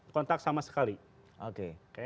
kontak sama sekali oke